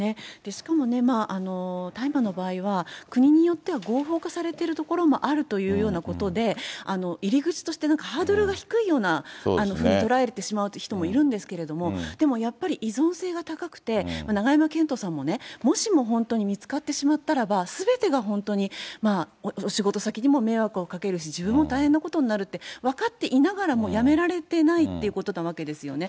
しかも、大麻の場合は、国によっては合法化されてる所もあるというようなことで、入り口としてなんか、ハードルが低いようなふうに捉えてしまう人もいるんですけど、でもやっぱり、依存性が高くて、永山絢斗さんもね、もしも本当に見つかってしまったらば、すべてが本当にお仕事先にも迷惑をかけるし、自分も大変なことになるって分かっていながらもやめられてないってことなわけですよね。